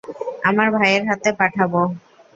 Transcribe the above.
আমার ভাইয়ের হাতে পাঠাবো।